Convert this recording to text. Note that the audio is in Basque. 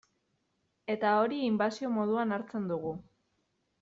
Eta hori inbasio moduan hartzen dugu.